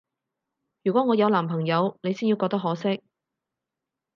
如果我有男朋友，你先要覺得可惜